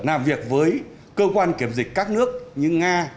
làm việc với cơ quan kiểm dịch các nước như nga